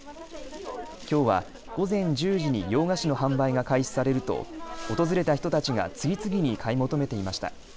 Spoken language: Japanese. きょうは午前１０時に洋菓子の販売が開始されると訪れた人たちが次々に買い求めていました。